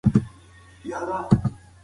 الوتکه په رن وې باندې په ډېر احتیاط روانه وه.